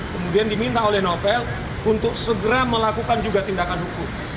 kemudian diminta oleh novel untuk segera melakukan juga tindakan hukum